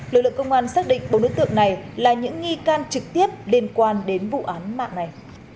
lực lượng công an xác định bốn đối tượng này là những nghi can trực tiếp liên quan đến vụ án mạng này